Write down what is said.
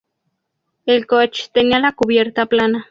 El koch tenía la cubierta plana.